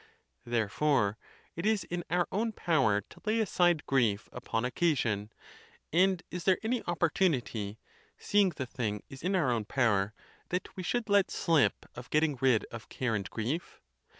* Therefore it is in our own power to lay aside grief upon occasion; and is there any opportunity (seeing the thing is in our own power) that we should let slip of getting rid of care and grief?